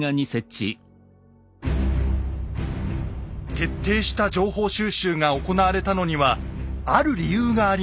徹底した情報収集が行われたのにはある理由がありました。